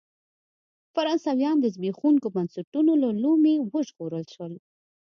فرانسویان د زبېښونکو بنسټونو له لومې وژغورل شول.